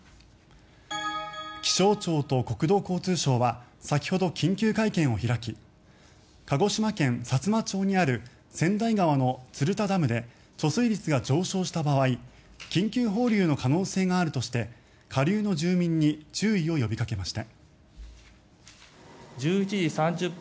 気象庁と国土交通省は先ほど緊急会見を開き鹿児島県さつま町にある川内川の鶴田ダムで貯水率が上昇した場合緊急放流の可能性があるとして下流の住民に注意を呼びかけました。